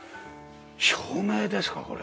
照明ですか？